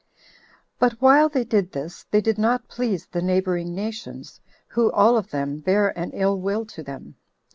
But while they did this, they did not please the neighboring nations, who all of them bare an ill will to them.